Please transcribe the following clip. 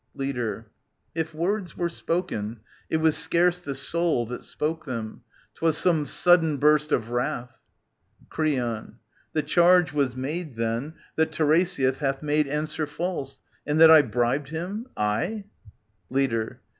Leader. If words were spoken, it was scarce the sotd That spoke them : 'twas some sudden burst of wrath. Creon. The charge was made, then, that Tiresias hath Made answer false, and that I bribed him, I ? Leader.